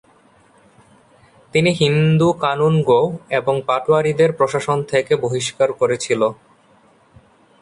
তিনি হিন্দু কানুনগো এবং পাটোয়ারীদের প্রশাসন থেকে বহিষ্কার করেছিল।